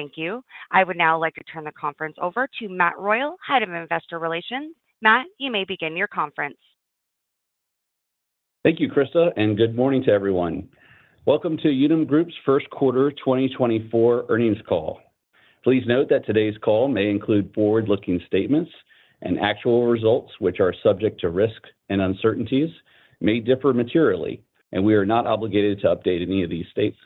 Thank you. I would now like to turn the conference over to Matt Royal, Head of Investor Relations. Matt, you may begin your conference. Thank you, Krista, and good morning to everyone. Welcome to Unum Group's First Quarter 2024 Earnings Call. Please note that today's call may include forward-looking statements, and actual results, which are subject to risk and uncertainties, may differ materially, and we are not obligated to update any of these statements.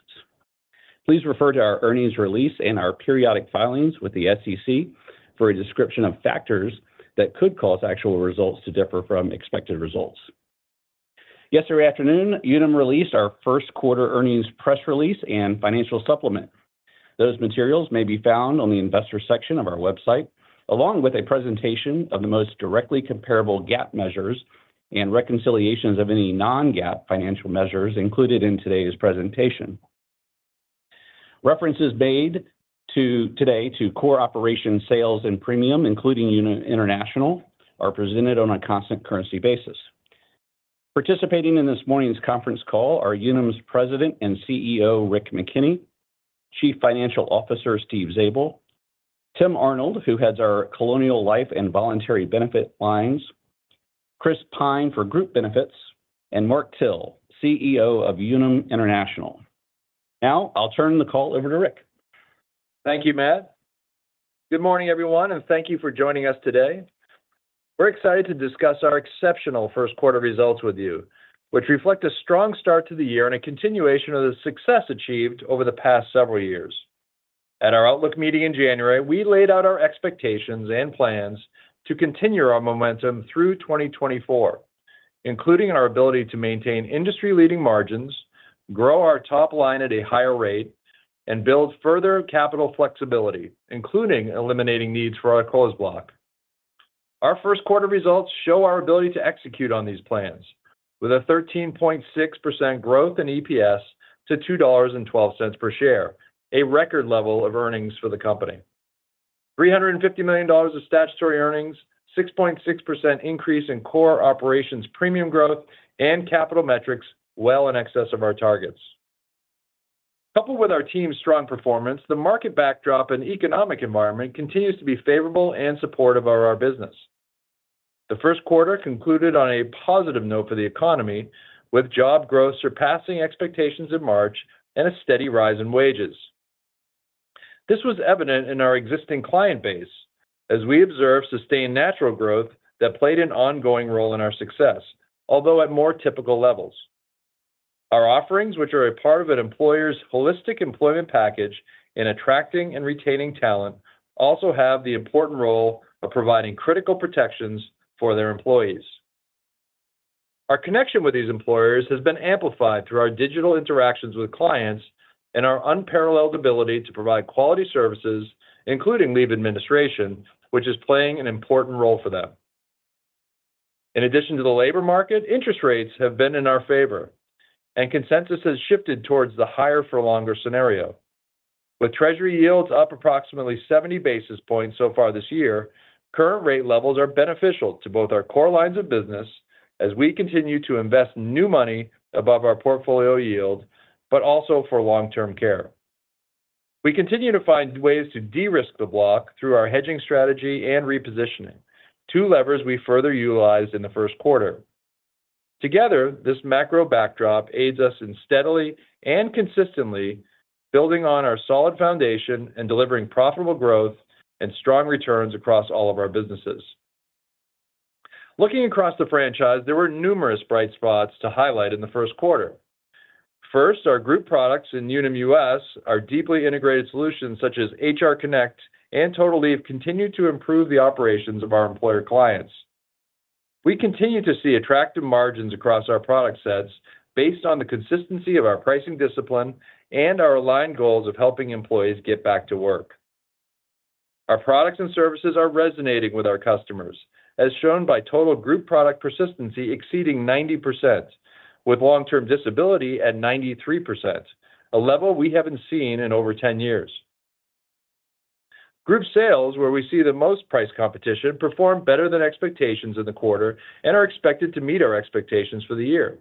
Please refer to our earnings release and our periodic filings with the SEC for a description of factors that could cause actual results to differ from expected results. Yesterday afternoon, Unum released our first quarter earnings press release and financial supplement. Those materials may be found on the investor section of our website, along with a presentation of the most directly comparable GAAP measures and reconciliations of any non-GAAP financial measures included in today's presentation. References made to today to core operations, sales, and premium, including Unum International, are presented on a constant currency basis. Participating in this morning's conference call are Unum's President and CEO, Rick McKenney, Chief Financial Officer, Steve Zabel, Tim Arnold, who heads our Colonial Life and Voluntary Benefit lines, Chris Pyne for Group Benefits, and Mark Till, CEO of Unum International. Now, I'll turn the call over to Rick. Thank you, Matt. Good morning, everyone, and thank you for joining us today. We're excited to discuss our exceptional first quarter results with you, which reflect a strong start to the year and a continuation of the success achieved over the past several years. At our outlook meeting in January, we laid out our expectations and plans to continue our momentum through 2024, including our ability to maintain industry-leading margins, grow our top line at a higher rate, and build further capital flexibility, including eliminating needs for our Closed Block. Our first quarter results show our ability to execute on these plans with a 13.6% growth in EPS to $2.12 per share, a record level of earnings for the company. $350 million of statutory earnings, 6.6% increase in core operations premium growth and capital metrics well in excess of our targets. Coupled with our team's strong performance, the market backdrop and economic environment continues to be favorable and supportive of our business. The first quarter concluded on a positive note for the economy, with job growth surpassing expectations in March and a steady rise in wages. This was evident in our existing client base as we observed sustained natural growth that played an ongoing role in our success, although at more typical levels. Our offerings, which are a part of an employer's holistic employment package in attracting and retaining talent, also have the important role of providing critical protections for their employees. Our connection with these employers has been amplified through our digital interactions with clients and our unparalleled ability to provide quality services, including leave administration, which is playing an important role for them. In addition to the labor market, interest rates have been in our favor, and consensus has shifted towards the higher for longer scenario. With treasury yields up approximately 70 basis points so far this year, current rate levels are beneficial to both our core lines of business as we continue to invest new money above our portfolio yield, but also for long-term care. We continue to find ways to de-risk the block through our hedging strategy and repositioning, two levers we further utilized in the first quarter. Together, this macro backdrop aids us in steadily and consistently building on our solid foundation and delivering profitable growth and strong returns across all of our businesses. Looking across the franchise, there were numerous bright spots to highlight in the first quarter. First, our group products in Unum US, deeply integrated solutions such as HR Connect and Total Leave, continue to improve the operations of our employer clients. We continue to see attractive margins across our product sets based on the consistency of our pricing discipline and our aligned goals of helping employees get back to work. Our products and services are resonating with our customers, as shown by total group product persistency exceeding 90%, with long-term disability at 93%, a level we haven't seen in over 10 years. Group sales, where we see the most price competition, performed better than expectations in the quarter and are expected to meet our expectations for the year.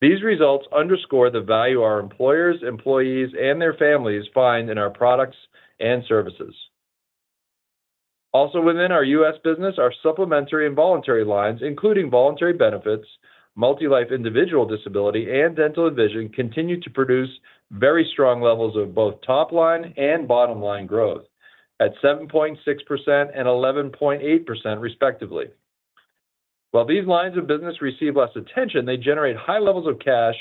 These results underscore the value our employers, employees, and their families find in our products and services. Also within our U.S. business, our supplementary and voluntary lines, including voluntary benefits, multi-life individual disability, and dental and vision, continue to produce very strong levels of both top line and bottom line growth at 7.6% and 11.8%, respectively. While these lines of business receive less attention, they generate high levels of cash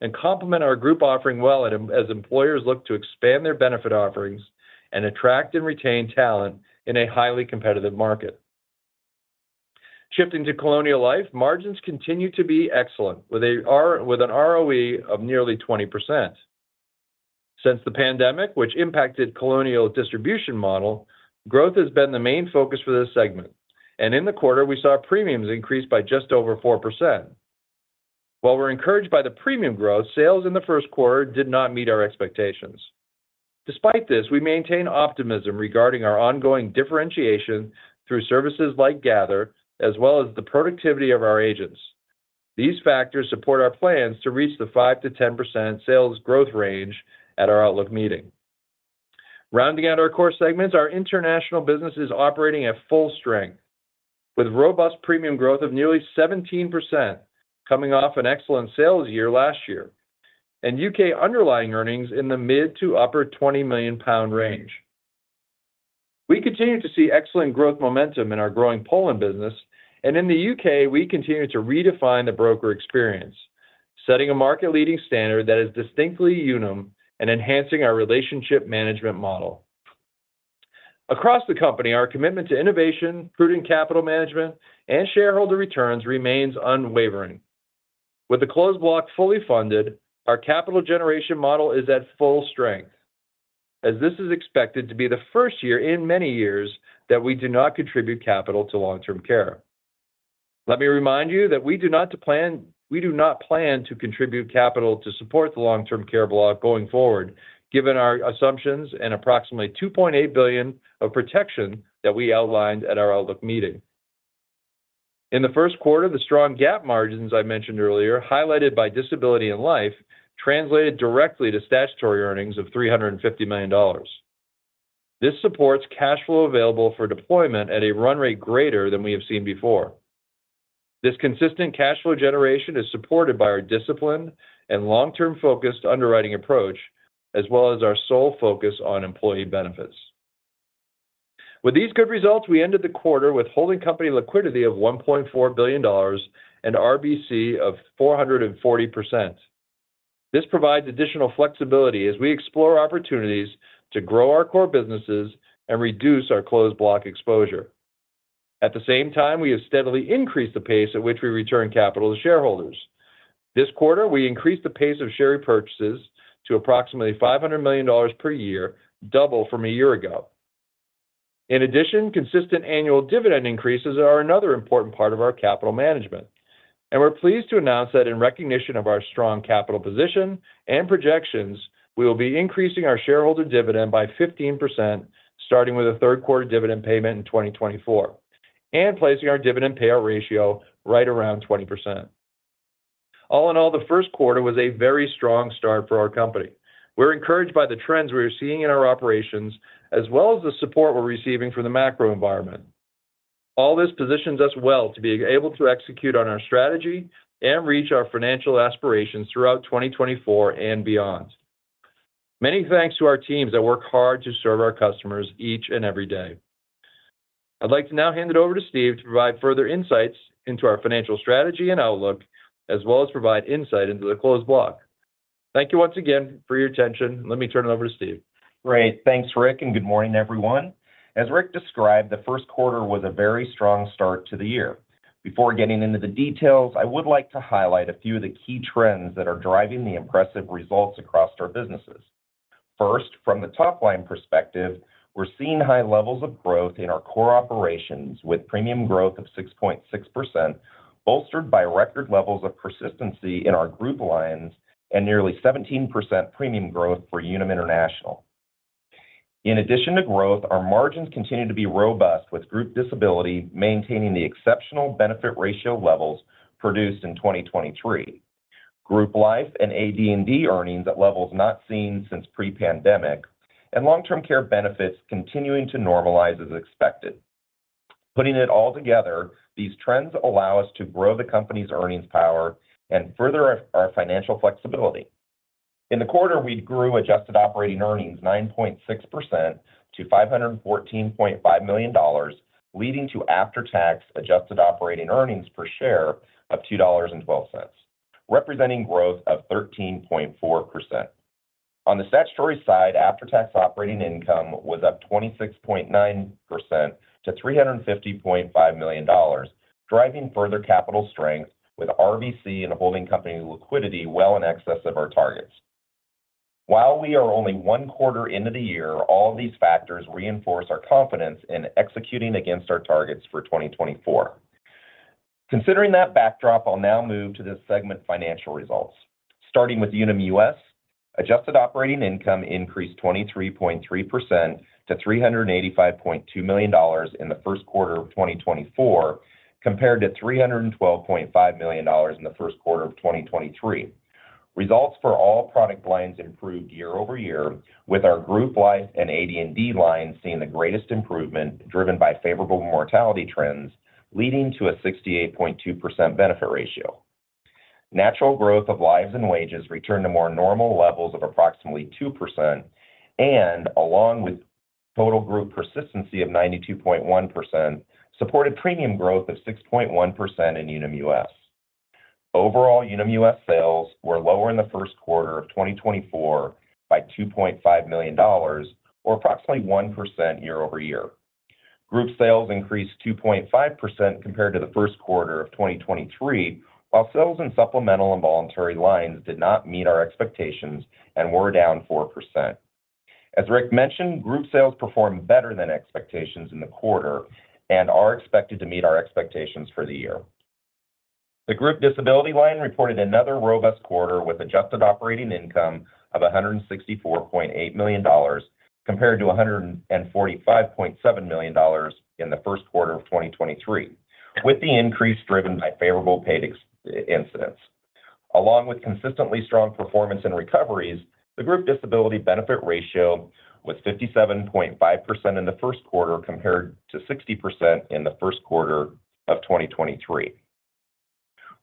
and complement our group offering well, as employers look to expand their benefit offerings and attract and retain talent in a highly competitive market. Shifting to Colonial Life, margins continue to be excellent, with an ROE of nearly 20%. Since the pandemic, which impacted Colonial distribution model, growth has been the main focus for this segment, and in the quarter, we saw premiums increase by just over 4%. While we're encouraged by the premium growth, sales in the first quarter did not meet our expectations. Despite this, we maintain optimism regarding our ongoing differentiation through services like Gather, as well as the productivity of our agents. These factors support our plans to reach the 5%-10% sales growth range at our outlook meeting. Rounding out our core segments, our international business is operating at full strength, with robust premium growth of nearly 17%, coming off an excellent sales year last year, and U.K. underlying earnings in the mid- to upper 20 million pound range. We continue to see excellent growth momentum in our growing Poland business, and in the U.K., we continue to redefine the broker experience, setting a market-leading standard that is distinctly Unum and enhancing our relationship management model. Across the company, our commitment to innovation, prudent capital management, and shareholder returns remains unwavering. With the Closed Block fully funded, our capital generation model is at full strength, as this is expected to be the first year in many years that we do not contribute capital to Long-Term Care. Let me remind you that we do not plan to contribute capital to support the Long-Term Care block going forward, given our assumptions and approximately $2.8 billion of protection that we outlined at our outlook meeting. In the first quarter, the strong GAAP margins I mentioned earlier, highlighted by disability and life, translated directly to Statutory Earnings of $350 million. This supports cash flow available for deployment at a run rate greater than we have seen before. This consistent cash flow generation is supported by our disciplined and long-term focused underwriting approach, as well as our sole focus on employee benefits. With these good results, we ended the quarter with holding company liquidity of $1.4 billion and RBC of 440%. This provides additional flexibility as we explore opportunities to grow our core businesses and reduce our closed block exposure. At the same time, we have steadily increased the pace at which we return capital to shareholders. This quarter, we increased the pace of share repurchases to approximately $500 million per year, double from a year ago. In addition, consistent annual dividend increases are another important part of our capital management, and we're pleased to announce that in recognition of our strong capital position and projections, we will be increasing our shareholder dividend by 15%, starting with a third quarter dividend payment in 2024, and placing our dividend payout ratio right around 20%. All in all, the first quarter was a very strong start for our company. We're encouraged by the trends we are seeing in our operations, as well as the support we're receiving from the macro environment. All this positions us well to be able to execute on our strategy and reach our financial aspirations throughout 2024 and beyond. Many thanks to our teams that work hard to serve our customers each and every day. I'd like to now hand it over to Steve to provide further insights into our financial strategy and outlook, as well as provide insight into the Closed Block. Thank you once again for your attention. Let me turn it over to Steve. Great. Thanks, Rick, and good morning, everyone. As Rick described, the first quarter was a very strong start to the year. Before getting into the details, I would like to highlight a few of the key trends that are driving the impressive results across our businesses. First, from the top-line perspective, we're seeing high levels of growth in our core operations, with premium growth of 6.6%, bolstered by record levels of persistency in our group lines and nearly 17% premium growth for Unum International. In addition to growth, our margins continue to be robust, with group disability maintaining the exceptional benefit ratio levels produced in 2023. Group Life and AD&D earnings at levels not seen since pre-pandemic and long-term care benefits continuing to normalize as expected. Putting it all together, these trends allow us to grow the company's earnings power and further our financial flexibility. In the quarter, we grew adjusted operating earnings 9.6% to $514.5 million, leading to after-tax adjusted operating earnings per share of $2.12, representing growth of 13.4%. On the statutory side, after-tax operating income was up 26.9% to $350.5 million, driving further capital strength with RBC and holding company liquidity well in excess of our targets. While we are only one quarter into the year, all these factors reinforce our confidence in executing against our targets for 2024. Considering that backdrop, I'll now move to the segment financial results. Starting with Unum US, adjusted operating income increased 23.3% to $385.2 million in the first quarter of 2024, compared to $312.5 million in the first quarter of 2023. Results for all product lines improved year-over-year, with our Group Life and AD&D line seeing the greatest improvement, driven by favorable mortality trends, leading to a 68.2% benefit ratio. Natural growth of lives and wages returned to more normal levels of approximately 2%, and along with total group persistency of 92.1%, supported premium growth of 6.1% in Unum US. Overall, Unum US sales were lower in the first quarter of 2024 by $2.5 million, or approximately 1% year-over-year. Group sales increased 2.5% compared to the first quarter of 2023, while sales in supplemental and voluntary lines did not meet our expectations and were down 4%. As Rick mentioned, group sales performed better than expectations in the quarter and are expected to meet our expectations for the year. The group disability line reported another robust quarter with adjusted operating income of $164.8 million, compared to $145.7 million in the first quarter of 2023, with the increase driven by favorable paid experience. Along with consistently strong performance and recoveries, the group disability benefit ratio was 57.5% in the first quarter, compared to 60% in the first quarter of 2023.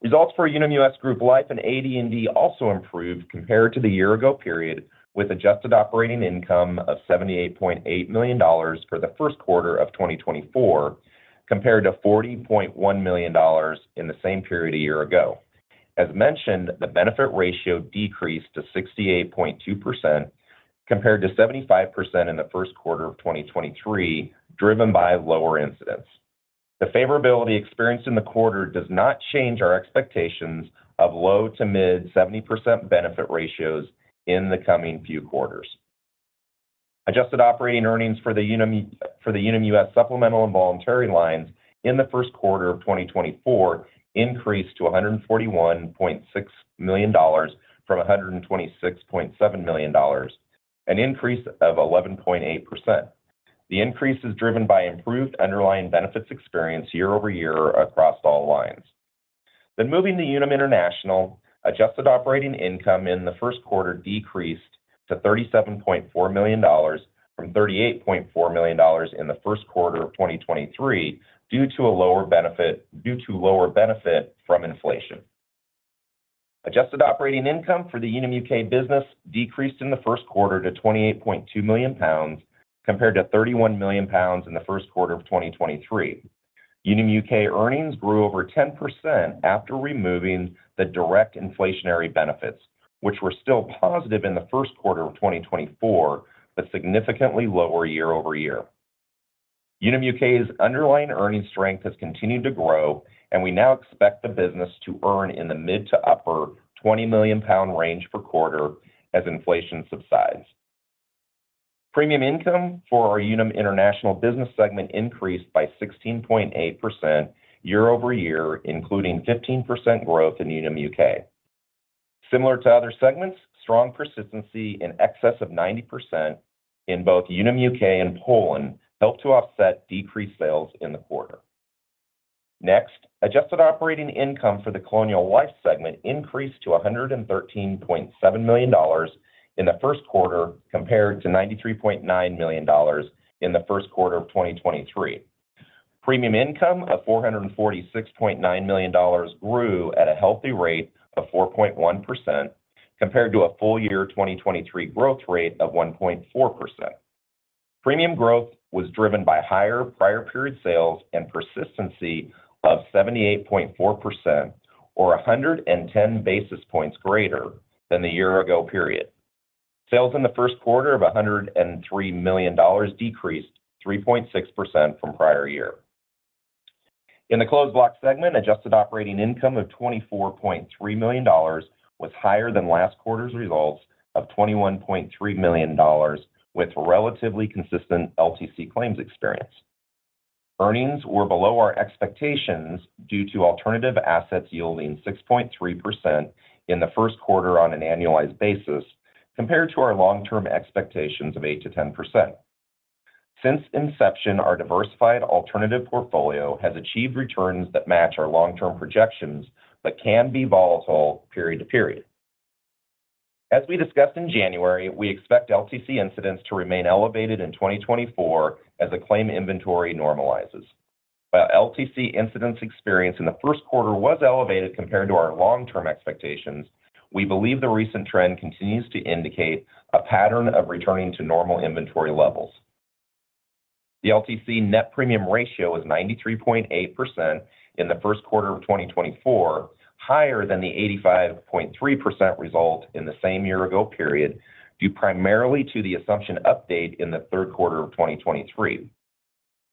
Results for Unum US Group Life and AD&D also improved compared to the year ago period, with adjusted operating income of $78.8 million for the first quarter of 2024, compared to $40.1 million in the same period a year ago. As mentioned, the benefit ratio decreased to 68.2%, compared to 75% in the first quarter of 2023, driven by lower incidence. The favorability experienced in the quarter does not change our expectations of low- to mid-70% benefit ratios in the coming few quarters. Adjusted operating earnings for the Unum US supplemental and voluntary lines in the first quarter of 2024 increased to $141.6 million from $126.7 million, an increase of 11.8%. The increase is driven by improved underlying benefits experience year over year across all lines. Then moving to Unum International, adjusted operating income in the first quarter decreased to $37.4 million from $38.4 million in the first quarter of 2023, due to lower benefit from inflation. Adjusted operating income for the Unum U.K. business decreased in the first quarter to 28.2 million pounds, compared to 31 million pounds in the first quarter of 2023. Unum U.K. earnings grew over 10% after removing the direct inflationary benefits, which were still positive in the first quarter of 2024, but significantly lower year over year. Unum U.K.'s underlying earnings strength has continued to grow, and we now expect the business to earn in the mid- to upper 20 million pound range per quarter as inflation subsides. Premium income for our Unum International business segment increased by 16.8% year-over-year, including 15% growth in Unum U.K.. Similar to other segments, strong persistency in excess of 90% in both Unum U.K. and Poland helped to offset decreased sales in the quarter. Next, adjusted operating income for the Colonial Life segment increased to $113.7 million in the first quarter, compared to $93.9 million in the first quarter of 2023. Premium income of $446.9 million grew at a healthy rate of 4.1%, compared to a full year 2023 growth rate of 1.4%. Premium growth was driven by higher prior period sales and persistency of 78.4%, or 110 basis points greater than the year ago period. Sales in the first quarter of $103 million decreased 3.6% from prior year. In the Closed Block segment, adjusted operating income of $24.3 million was higher than last quarter's results of $21.3 million, with relatively consistent LTC claims experience. Earnings were below our expectations due to alternative assets yielding 6.3% in the first quarter on an annualized basis, compared to our long-term expectations of 8%-10%. Since inception, our diversified alternative portfolio has achieved returns that match our long-term projections, but can be volatile period to period. As we discussed in January, we expect LTC incidents to remain elevated in 2024 as the claim inventory normalizes. While LTC incidents experience in the first quarter was elevated compared to our long-term expectations, we believe the recent trend continues to indicate a pattern of returning to normal inventory levels. The LTC net premium ratio is 93.8% in the first quarter of 2024, higher than the 85.3% result in the same year ago period, due primarily to the assumption update in the third quarter of 2023.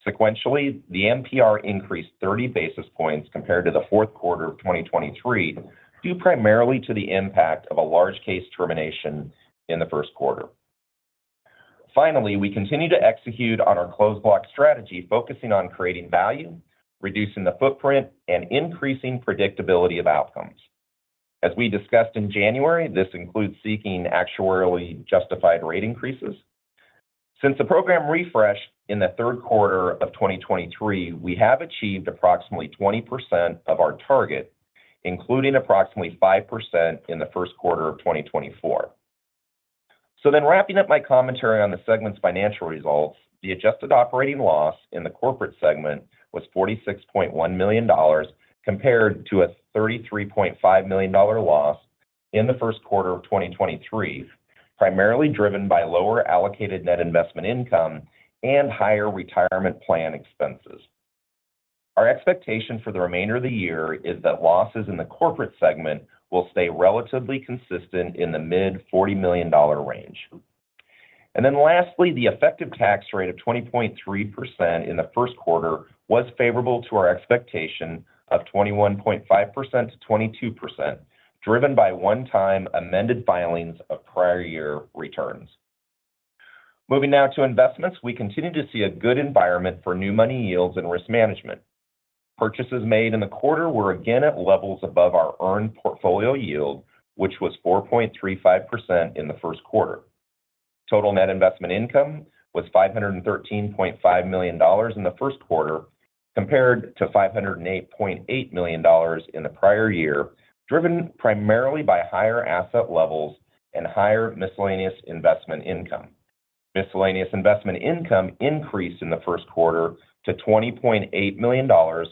Sequentially, the NPR increased 30 basis points compared to the fourth quarter of 2023, due primarily to the impact of a large case termination in the first quarter. Finally, we continue to execute on our closed block strategy, focusing on creating value, reducing the footprint, and increasing predictability of outcomes. As we discussed in January, this includes seeking actuarially justified rate increases. Since the program refreshed in the third quarter of 2023, we have achieved approximately 20% of our target, including approximately 5% in the first quarter of 2024. So then wrapping up my commentary on the segment's financial results, the adjusted operating loss in the corporate segment was $46.1 million, compared to a $33.5 million loss in the first quarter of 2023, primarily driven by lower allocated net investment income and higher retirement plan expenses. Our expectation for the remainder of the year is that losses in the corporate segment will stay relatively consistent in the mid-$40 million range. And then lastly, the effective tax rate of 20.3% in the first quarter was favorable to our expectation of 21.5%-22%, driven by one-time amended filings of prior year returns. Moving now to investments. We continue to see a good environment for new money yields and risk management. Purchases made in the quarter were again at levels above our earned portfolio yield, which was 4.35% in the first quarter. Total net investment income was $513.5 million in the first quarter, compared to $508.8 million in the prior year, driven primarily by higher asset levels and higher miscellaneous investment income. Miscellaneous investment income increased in the first quarter to $20.8 million,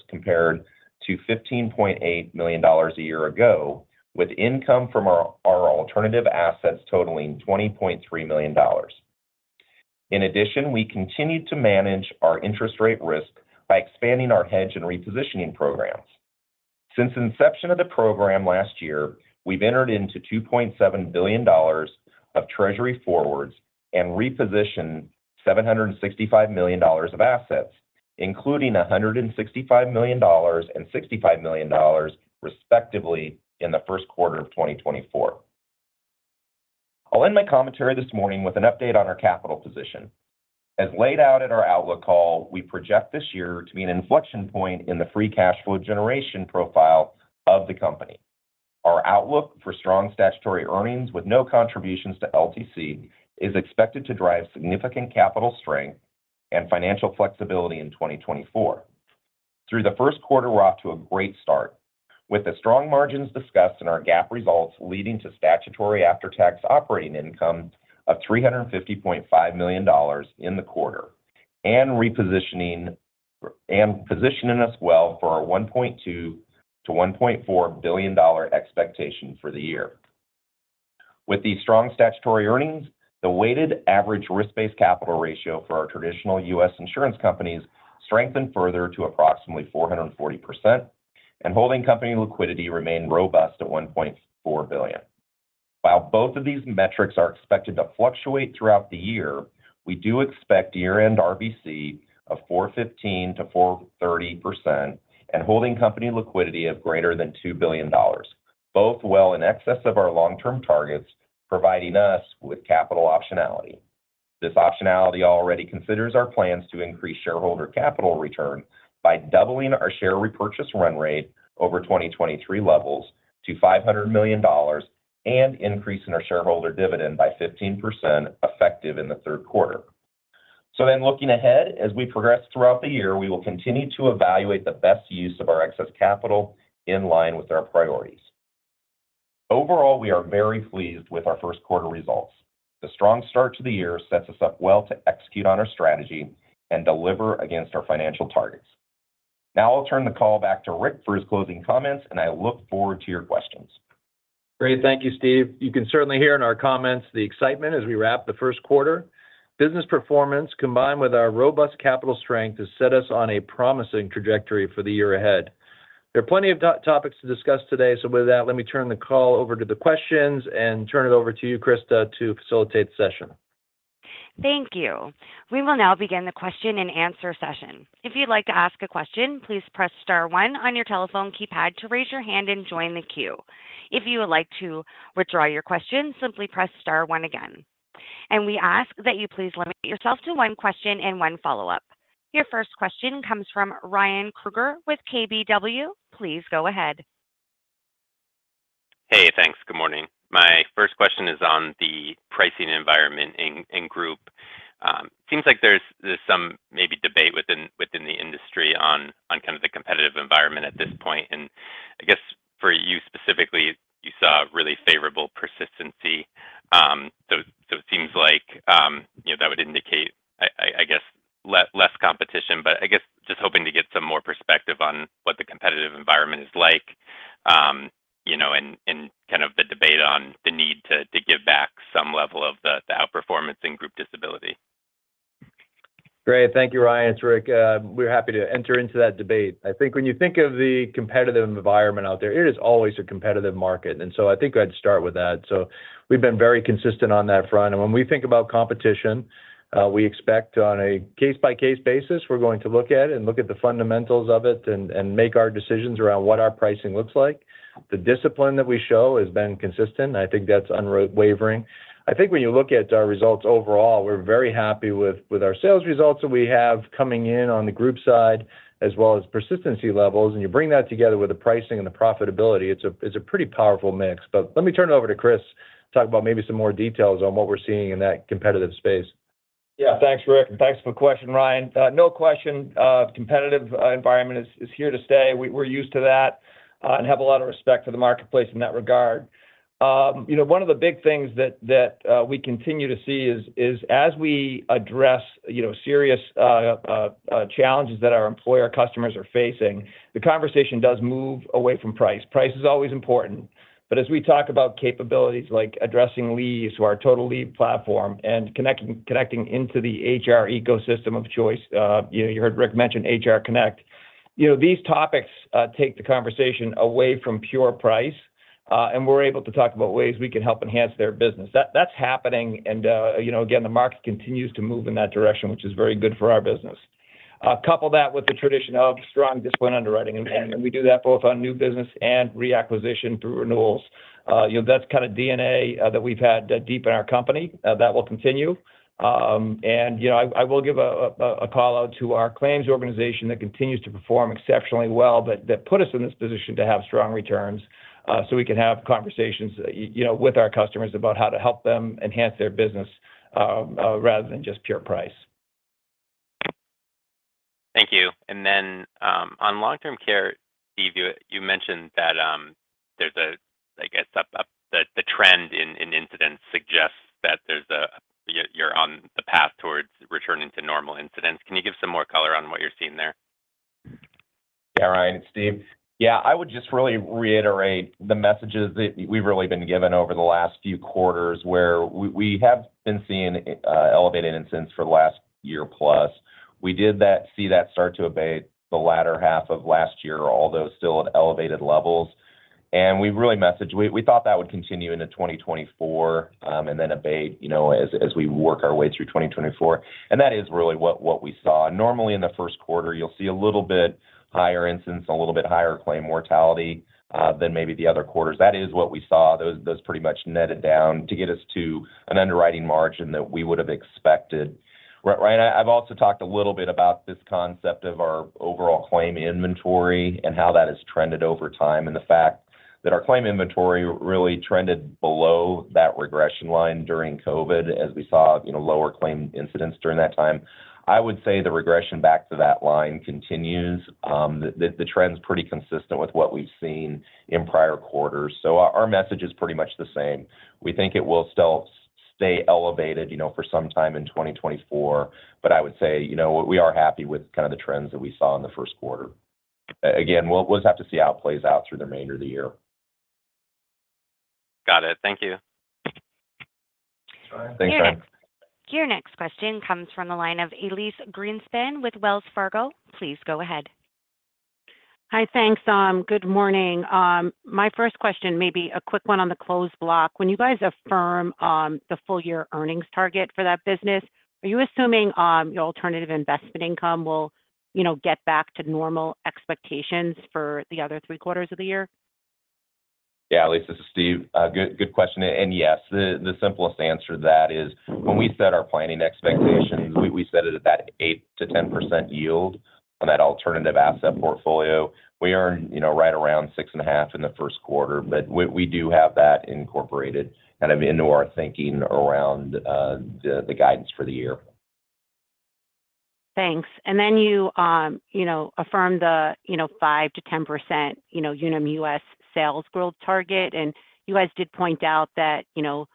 compared to $15.8 million a year ago, with income from our, our alternative assets totaling $20.3 million. In addition, we continued to manage our interest rate risk by expanding our hedge and repositioning programs. Since inception of the program last year, we've entered into $2.7 billion of treasury forwards and repositioned $765 million of assets, including $165 million and $65 million, respectively, in the first quarter of 2024. I'll end my commentary this morning with an update on our capital position. As laid out at our outlook call, we project this year to be an inflection point in the free cash flow generation profile of the company. Our outlook for strong statutory earnings, with no contributions to LTC, is expected to drive significant capital strength and financial flexibility in 2024. Through the first quarter, we're off to a great start, with the strong margins discussed in our GAAP results leading to statutory after-tax operating income of $350.5 million in the quarter, and positioning us well for our $1.2 billion-$1.4 billion expectation for the year. With the strong statutory earnings, the weighted average risk-based capital ratio for our traditional U.S. insurance companies strengthened further to approximately 440%, and holding company liquidity remained robust at $1.4 billion. While both of these metrics are expected to fluctuate throughout the year, we do expect year-end RBC of 415%-430% and holding company liquidity of greater than $2 billion, both well in excess of our long-term targets, providing us with capital optionality. This optionality already considers our plans to increase shareholder capital return by doubling our share repurchase run rate over 2023 levels to $500 million and increasing our shareholder dividend by 15%, effective in the third quarter. So then looking ahead, as we progress throughout the year, we will continue to evaluate the best use of our excess capital in line with our priorities. Overall, we are very pleased with our first quarter results. The strong start to the year sets us up well to execute on our strategy and deliver against our financial targets. Now, I'll turn the call back to Rick for his closing comments, and I look forward to your questions. Great. Thank you, Steve. You can certainly hear in our comments the excitement as we wrap the first quarter. Business performance, combined with our robust capital strength, has set us on a promising trajectory for the year ahead. There are plenty of topics to discuss today. So with that, let me turn the call over to the questions and turn it over to you, Krista, to facilitate the session. Thank you. We will now begin the question-and-answer session. If you'd like to ask a question, please press star one on your telephone keypad to raise your hand and join the queue. If you would like to withdraw your question, simply press star one again. We ask that you please limit yourself to one question and one follow-up. Your first question comes from Ryan Krueger with KBW. Please go ahead. Hey, thanks. Good morning. My first question is on the pricing environment in Group. Seems like there's some maybe debate within the industry on kind of the competitive environment at this point, and I guess for you specifically, you saw really favorable persistency. So, it seems like, that would indicate, I guess, less competition, but I guess just hoping to get some more perspective on what the competitive environment is like, you know, and kind of the debate on the need to give back some level of the outperformance in group disability. Great. Thank you, Ryan. It's Rick. We're happy to enter into that debate. I think when you think of the competitive environment out there, it is always a competitive market, and so I think I'd start with that. So we've been very consistent on that front. And when we think about competition, we expect on a case-by-case basis, we're going to look at it and look at the fundamentals of it and, and make our decisions around what our pricing looks like. The discipline that we show has been consistent, and I think that's unwavering. I think when you look at our results overall, we're very happy with, with our sales results that we have coming in on the group side, as well as persistency levels. And you bring that together with the pricing and the profitability, it's a, it's a pretty powerful mix. Let me turn it over to Chris to talk about maybe some more details on what we're seeing in that competitive space. Yeah. Thanks, Rick, and thanks for the question, Ryan. No question, competitive environment is here to stay. We're used to that, and have a lot of respect for the marketplace in that regard. You know, one of the big things that we continue to see is as we address, you know, serious challenges that our employer customers are facing, the conversation does move away from price. Price is always important, but as we talk about capabilities like addressing leaves to our Total Leave platform and connecting into the HR ecosystem of choice, you know, you heard Rick mention HR Connect. You know, these topics take the conversation away from pure price, and we're able to talk about ways we can help enhance their business. That's happening, and, you know, again, the market continues to move in that direction, which is very good for our business. Couple that with the tradition of strong, disciplined underwriting, and we do that both on new business and reacquisition through renewals. You know, that's kind of DNA that we've had deep in our company. That will continue, and, you know, I will give a call-out to our claims organization that continues to perform exceptionally well, but that put us in this position to have strong returns, so we can have conversations, you know, with our customers about how to help them enhance their business, rather than just pure price. Thank you. And then, on long-term care, Steve, you mentioned that the trend in incidents suggests that you're on the path towards returning to normal incidents. Can you give some more color on what you're seeing there? Yeah, Ryan, it's Steve. Yeah, I would just really reiterate the messages that we've really been given over the last few quarters, where we have been seeing elevated incidents for the last year plus. We did see that start to abate the latter half of last year, although still at elevated levels. And we've really messaged. We thought that would continue into 2024, and then abate, you know, as we work our way through 2024, and that is really what we saw. Normally, in the first quarter, you'll see a little bit higher incidents, a little bit higher claim mortality than maybe the other quarters. That is what we saw. Those pretty much netted down to get us to an underwriting margin that we would've expected. Ryan, I've also talked a little bit about this concept of our overall claim inventory and how that has trended over time, and the fact that our claim inventory really trended below that regression line during COVID, as we saw, you know, lower claim incidents during that time. I would say the regression back to that line continues. The trend's pretty consistent with what we've seen in prior quarters, so our message is pretty much the same. We think it will still stay elevated, you know, for some time in 2024, but I would say, you know what? We are happy with kind of the trends that we saw in the first quarter. Again, we'll just have to see how it plays out through the remainder of the year. Got it. Thank you. Thanks, Ryan. Your next question comes from the line of Elyse Greenspan with Wells Fargo & Company. Please go ahead. Hi. Thanks, good morning. My first question may be a quick one on the Closed Block. When you guys affirm the full-year earnings target for that business, are you assuming your alternative investment income will, you know, get back to normal expectations for the other three quarters of the year? Yeah, Elyse, this is Steve. Good, good question, and, yes, the simplest answer to that is when we set our planning expectations, we set it at that 8%-10% yield on that alternative asset portfolio. We earn, you know, right around 6.5% in the first quarter, but we do have that incorporated kind of into our thinking around the guidance for the year. Thanks. And then you, you know, affirm the, you know, 5%-10%, you know, Unum U.S. sales growth target, and you guys did point out that, you know,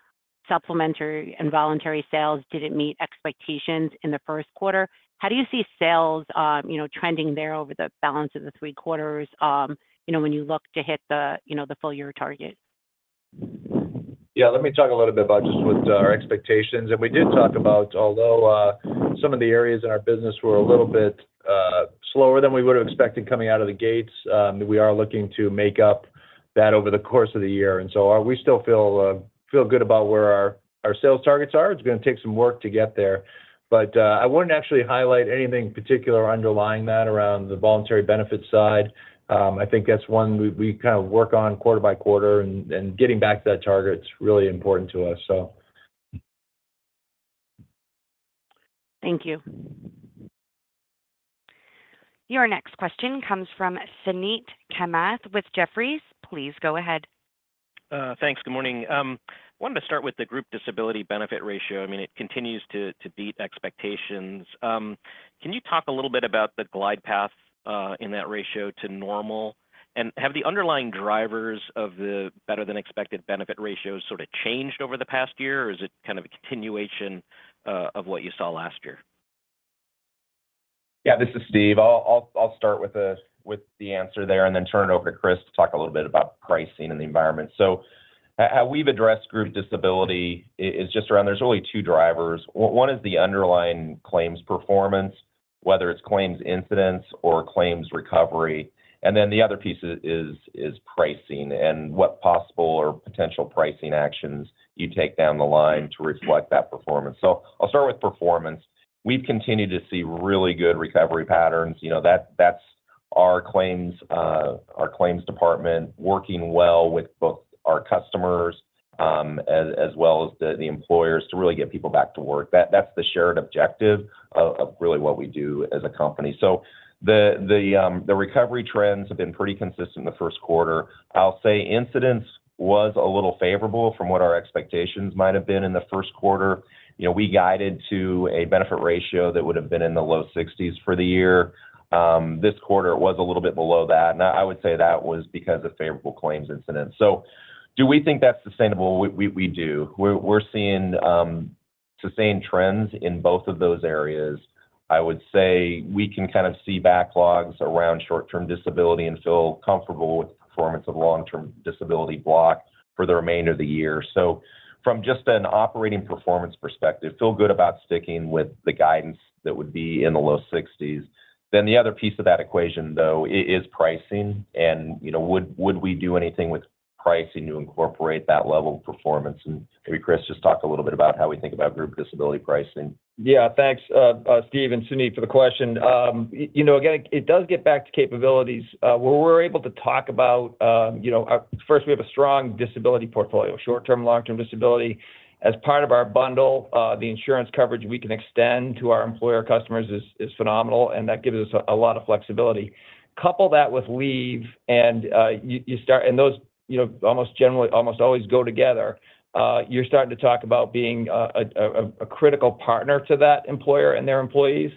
supplementary and voluntary sales didn't meet expectations in the first quarter. How do you see sales, you know, trending there over the balance of the three quarters, you know, when you look to hit the full year target? Yeah, let me talk a little bit about just with our expectations. And we did talk about, although, some of the areas in our business were a little bit, slower than we would've expected coming out of the gates, we are looking to make up that over the course of the year, and so, we still feel, feel good about where our, our sales targets are. It's gonna take some work to get there, but, I wouldn't actually highlight anything particular underlying that around the voluntary benefit side. I think that's one we, we kind of work on quarter by quarter, and, and getting back to that target is really important to us, so. Thank you. Your next question comes from Suneet Kamath with Jefferies. Please go ahead. Thanks. Good morning. Wanted to start with the group disability benefit ratio. I mean, it continues to beat expectations. Can you talk a little bit about the glide path in that ratio to normal? And have the underlying drivers of the better-than-expected benefit ratios sort of changed over the past year, or is it kind of a continuation of what you saw last year? Yeah, this is Steve. I'll start with the answer there, and then turn it over to Chris to talk a little bit about pricing and the environment. So how we've addressed group disability is just around... There's only two drivers. One is the underlying claims performance, whether it's claims incidents or claims recovery, and then the other piece is pricing and what possible or potential pricing actions you take down the line to reflect that performance. So I'll start with performance. We've continued to see really good recovery patterns. You know, that's our claims department, working well with both our customers, as well as the employers to really get people back to work. That's the shared objective of really what we do as a company. So the recovery trends have been pretty consistent in the first quarter. I'll say incidence was a little favorable from what our expectations might have been in the first quarter. You know, we guided to a benefit ratio that would've been in the low 60s% for the year. This quarter was a little bit below that, and I would say that was because of favorable claims incidence. So do we think that's sustainable? We do. We're seeing sustained trends in both of those areas. I would say we can kind of see backlogs around short-term disability and feel comfortable with the performance of long-term disability block for the remainder of the year. So from just an operating performance perspective, feel good about sticking with the guidance that would be in the low 60s%. Then the other piece of that equation, though, is pricing, and, you know, would, would we do anything with pricing to incorporate that level of performance? And maybe, Chris, just talk a little bit about how we think about group disability pricing. Yeah, thanks, Steve and Suneet, for the question. You know, again, it does get back to capabilities. Where we're able to talk about, you know, first, we have a strong disability portfolio, short-term, long-term disability. As part of our bundle, the insurance coverage we can extend to our employer customers is phenomenal, and that gives us a lot of flexibility. Couple that with leave, and, and those, you know, almost always go together, you're starting to talk about being a critical partner to that employer and their employees.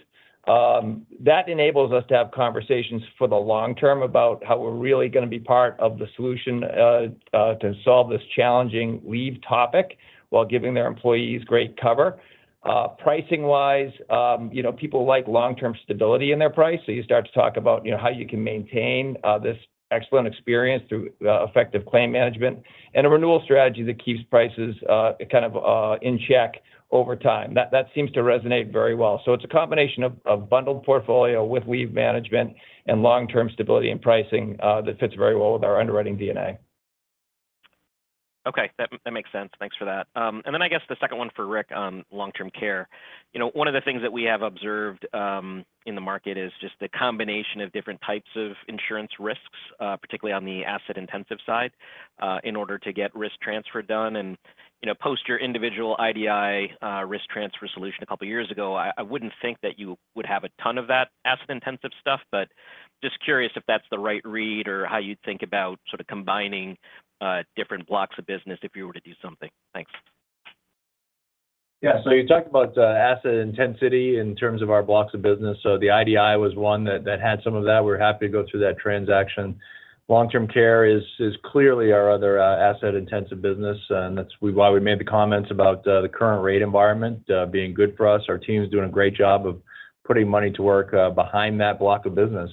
That enables us to have conversations for the long term about how we're really gonna be part of the solution, to solve this challenging leave topic, while giving their employees great coverage. Pricing-wise, you know, people like long-term stability in their price, so you start to talk about, you know, how you can maintain this excellent experience through effective claim management and a renewal strategy that keeps prices kind of in check over time. That seems to resonate very well. So it's a combination of bundled portfolio with leave management and long-term stability and pricing that fits very well with our underwriting DNA. Okay, that, that makes sense. Thanks for that. And then I guess the second one for Rick on long-term care. You know, one of the things that we have observed in the market is just the combination of different types of insurance risks, particularly on the asset-intensive side, in order to get risk transfer done. And, you know, post your individual IDI risk transfer solution a couple of years ago, I, I wouldn't think that you would have a ton of that asset-intensive stuff, but just curious if that's the right read or how you think about sort of combining different blocks of business if you were to do something. Thanks. Yeah. So you talked about asset intensity in terms of our blocks of business. So the IDI was one that, that had some of that. We're happy to go through that transaction. Long-term care is, is clearly our other asset-intensive business, and that's why we made the comments about the current rate environment being good for us. Our team's doing a great job of putting money to work behind that block of business.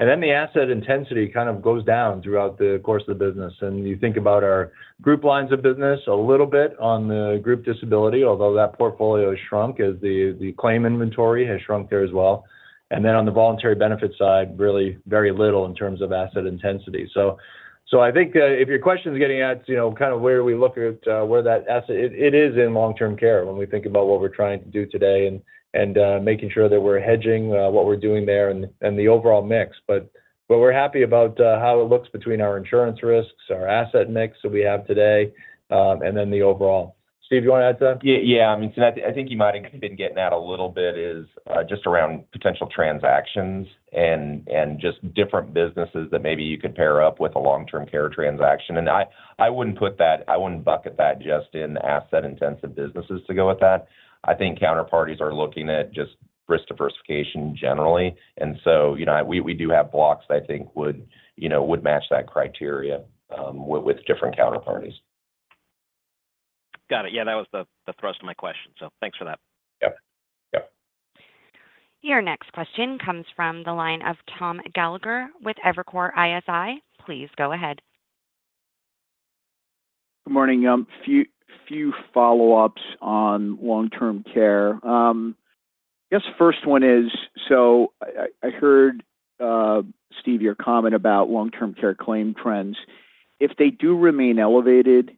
And then the asset intensity kind of goes down throughout the course of the business. And you think about our group lines of business, a little bit on the group disability, although that portfolio has shrunk, as the claim inventory has shrunk there as well. And then on the voluntary benefit side, really very little in terms of asset intensity. So I think if your question is getting at, you know, kind of where we look at where that asset... It is in long-term care when we think about what we're trying to do today and making sure that we're hedging what we're doing there and the overall mix. But we're happy about how it looks between our insurance risks, our asset mix that we have today, and then the overall. Steve, you want to add to that? Yeah, yeah. I mean, so I think you might have been getting at a little bit is just around potential transactions and just different businesses that maybe you could pair up with a long-term care transaction. And I wouldn't bucket that just in asset-intensive businesses to go with that. I think counterparties are looking at just risk diversification generally. And so, you know, we do have blocks I think would match that criteria with different counterparties. Got it. Yeah, that was the thrust of my question, so thanks for that. Yep. Yep. Your next question comes from the line of Tom Gallagher with Evercore ISI. Please go ahead. Good morning. Few follow-ups on long-term care. I guess the first one is, so I heard, Steve, your comment about long-term care claim trends. If they do remain elevated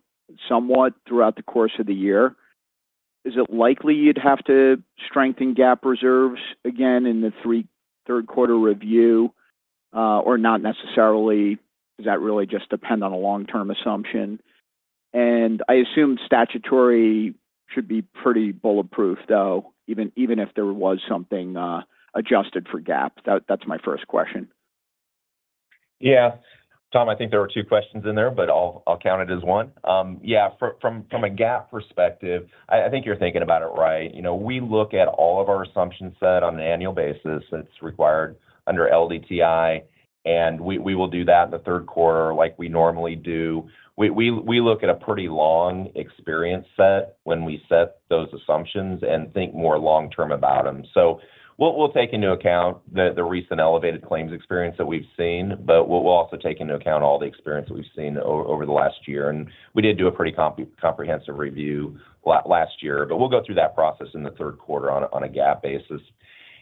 somewhat throughout the course of the year, is it likely you'd have to strengthen GAAP reserves again in the third quarter review, or not necessarily? Does that really just depend on a long-term assumption? And I assume statutory should be pretty bulletproof, though, even if there was something adjusted for GAAP. That's my first question. Yeah. Tom, I think there were two questions in there, but I'll count it as one. Yeah, from a GAAP perspective, I think you're thinking about it right. You know, we look at all of our assumption set on an annual basis that's required under LDTI, and we will do that in the third quarter like we normally do. We look at a pretty long experience set when we set those assumptions and think more long term about them. So we'll take into account the recent elevated claims experience that we've seen, but we'll also take into account all the experience that we've seen over the last year, and we did do a pretty comprehensive review last year. But we'll go through that process in the third quarter on a GAAP basis.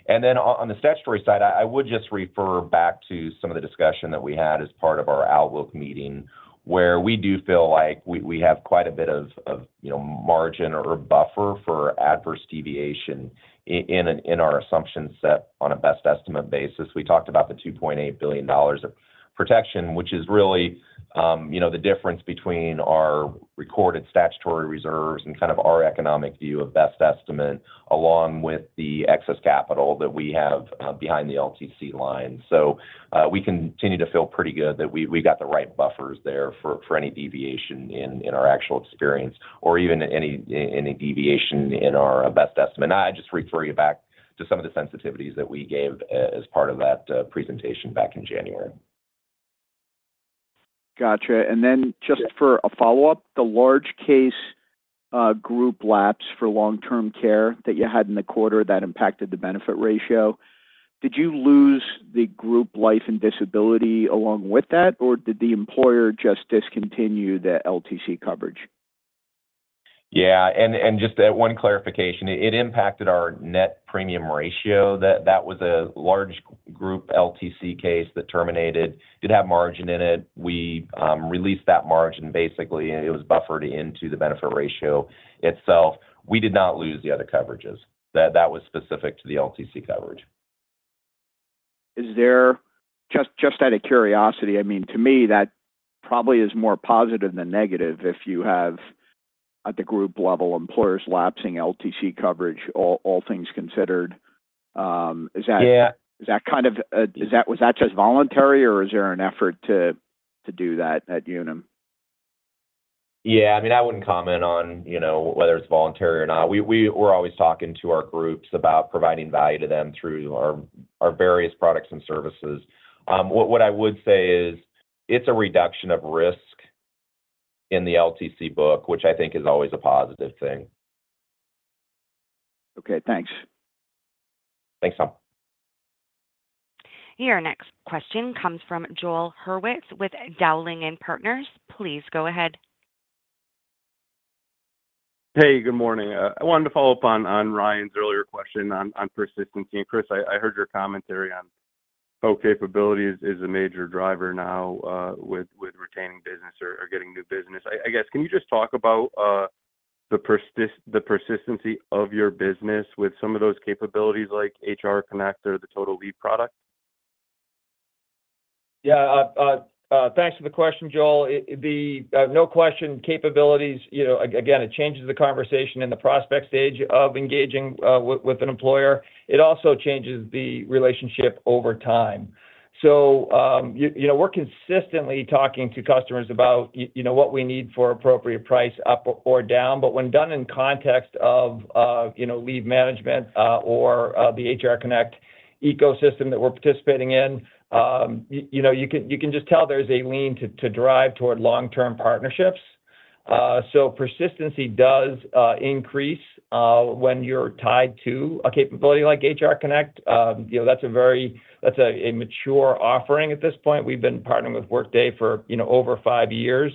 And then on the statutory side, I would just refer back to some of the discussion that we had as part of our outlook meeting, where we do feel like we have quite a bit of, you know, margin or buffer for adverse deviation in an, in our assumption set on a best estimate basis. We talked about the $2.8 billion of protection, which is really, you know, the difference between our recorded statutory reserves and kind of our economic view of best estimate, along with the excess capital that we have behind the LTC line. So, we continue to feel pretty good that we got the right buffers there for any deviation in our actual experience or even any deviation in our best estimate. I'd just refer you back to some of the sensitivities that we gave as part of that presentation back in January. Gotcha. And then just for a follow-up, the large case, group lapse for long-term care that you had in the quarter that impacted the Benefit Ratio, did you lose the group life and disability along with that, or did the employer just discontinue the LTC coverage? Yeah, and just one clarification: It impacted our Net Premium Ratio. That was a large group LTC case that terminated did have margin in it. We released that margin, basically, and it was buffered into the Benefit Ratio itself. We did not lose the other coverages. That was specific to the LTC coverage. Just, just out of curiosity, I mean, to me, that probably is more positive than negative if you have, at the group level, employers lapsing LTC coverage, all, all things considered. Is that- Yeah. Is that kind of, was that just voluntary, or is there an effort to do that at Unum? Yeah, I mean, I wouldn't comment on, you know, whether it's voluntary or not. We're always talking to our groups about providing value to them through our various products and services. What I would say is, it's a reduction of risk in the LTC book, which I think is always a positive thing. Okay, thanks. Thanks, Tom. Your next question comes from Joel Hurwitz with Dowling & Partners. Please go ahead. Hey, good morning. I wanted to follow up on Ryan's earlier question on persistency. Chris, I heard your commentary on how capabilities is a major driver now, with retaining business or getting new business. I guess, can you just talk about the persistency of your business with some of those capabilities, like HR Connect or the Total Leave product? Yeah, thanks for the question, Joel. It's the capabilities, no question, you know, again, it changes the conversation in the prospect stage of engaging with with an employer. It also changes the relationship over time. So, you know, we're consistently talking to customers about you know what we need for appropriate price, up or down. But when done in context of you know leave management or the HR Connect ecosystem that we're participating in, you know, you can you can just tell there's a lean to to drive toward long-term partnerships. So persistency does increase when you're tied to a capability like HR Connect. You know, that's a very mature offering at this point. We've been partnering with Workday for, you know, over five years,